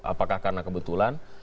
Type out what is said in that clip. apakah karena kebetulan